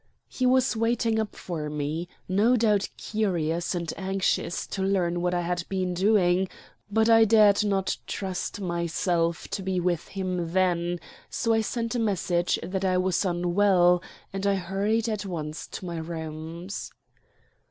He was waiting up for me, no doubt curious and anxious to learn what I had been doing; but I dared not trust myself to be with him then; so I sent a message that I was unwell, and I hurried at once to my rooms.